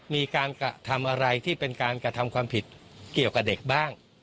มีการกระทำอะไรที่เป็นการกระทำความผิดเกี่ยวกับเด็กบ้าง